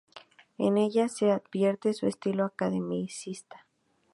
En ella se advierte su estilo academicista.